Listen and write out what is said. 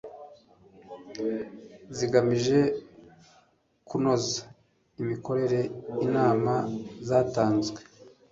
zigamije kunoza imikorere inama zatanzwe